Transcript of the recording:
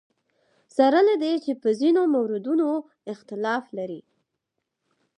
سره له دې چې په ځینو موردونو اختلاف لري.